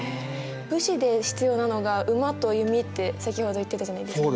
武士で必要なのが馬と弓って先ほど言ってたじゃないですか。